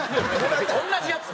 同じやつ？